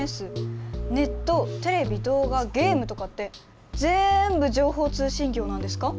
ネットテレビ動画ゲームとかってぜんぶ情報通信業なんですか？